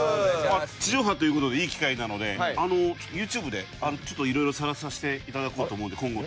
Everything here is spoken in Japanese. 地上波という事でいい機会なのでＹｏｕＴｕｂｅでちょっと色々探させて頂こうと思うんで今後。